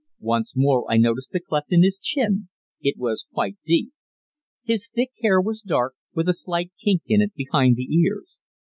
Once more I noticed the cleft in his chin it was quite deep. His thick hair was dark, with a slight kink in it behind the ears.